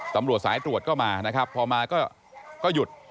ตำรวจสายตรวจก็มานะครับพอมาก็หยุด